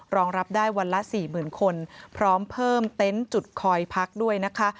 รองรับได้วันละ๔๐๐๐คนพร้อมเพิ่มเต็นต์จุดคอยพักด้วยนะคะ